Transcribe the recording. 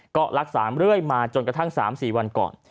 ก็รักษาเรื่อยมาจนกระทั่ง๓๔วันก่อน